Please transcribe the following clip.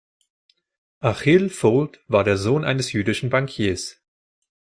Achille Fould war der Sohn eines jüdischen Bankiers.